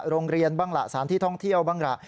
โรงเรียนบ้างล่ะสถานที่ท่องเที่ยวบ้างล่ะ